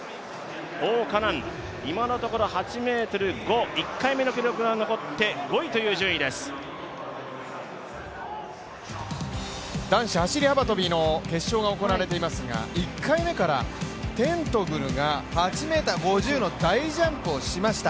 王嘉男、今のところ８ｍ０５、１回目の記録が残って男子走幅跳の決勝が行われていますが、１回目からテントグルが８ｍ５０の大ジャンプをしました。